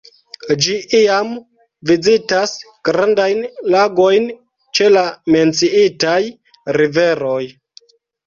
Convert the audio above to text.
Ĝi iam vizitas grandajn lagojn ĉe la menciitaj riveroj.